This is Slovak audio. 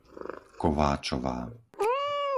Kováčová